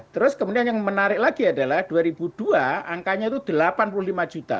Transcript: terus kemudian yang menarik lagi adalah dua ribu dua angkanya itu delapan puluh lima juta